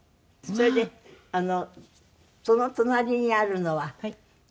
それでその隣にあるのはそれ可愛い。